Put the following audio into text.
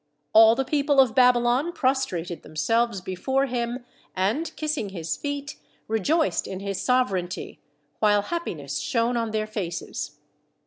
All the people of Babylon prostrated themselves before him, and, kissing his feet, rejoiced in his sovereignty, while happiness shone on their faces.